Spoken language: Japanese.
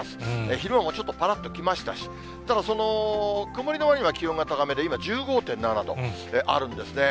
昼もちょっとぱらっときましたし、ただ、曇りのわりには気温が高めで、今、１５．７度あるんですね。